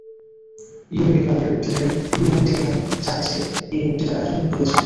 Unity ক্লাবের উদ্যোগে Unitarian চার্চ-এ এই বক্তৃতার আয়োজন হইয়াছিল।